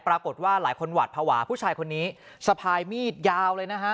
ปรากฏว่าหลายคนหวาดภาวะผู้ชายคนนี้สะพายมีดยาวเลยนะฮะ